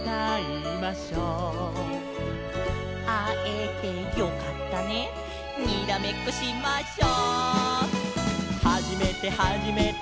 「あえてよかったねにらめっこしましょ」「はじめてはじめて」